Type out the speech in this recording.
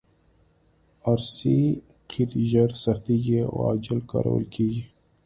ار سي قیر ژر سختیږي او عاجل کارول کیږي